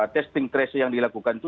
testing tracing yang dilakukan itu